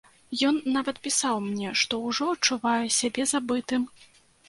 Ён нават пісаў мне, што ўжо адчувае сябе забытым.